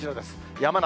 山梨